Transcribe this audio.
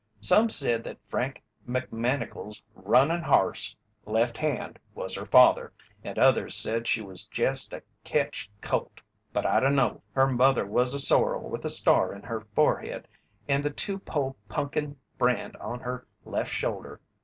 Some said that Frank McMannigle's runnin' harse, 'Left Hand,' was her father, and others said she was jest a ketch colt, but I dunno. Her mother was a sorrel with a star in her forehead and the Two pole punkin' brand on her left shoulder.